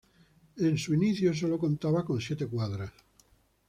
En su inicio sólo contaba con siete cuadras.